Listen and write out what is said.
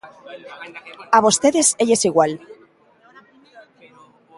A vostedes élles igual.